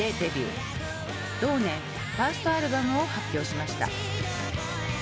同年ファーストアルバムを発表しました。